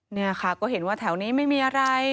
เนี่ยค่ะก็เห็นว่าแถวนี้ไม่มีอะไร